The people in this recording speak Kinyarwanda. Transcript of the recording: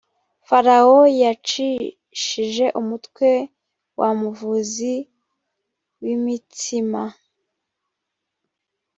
farawo yacishije umutwe wa muvuzi w imitsima